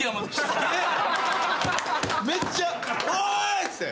めっちゃ「おーい！」っつって。